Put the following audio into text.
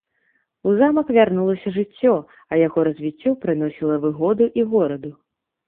У замак вярнулася жыццё, а яго развіццё прыносіла выгоду і гораду.